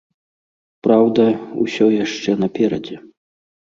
Праўда, усё яшчэ наперадзе.